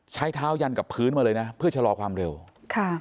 ใช้เท้ายันกับพื้นมาเลยนะเพื่อชะลอความเร็วค่ะ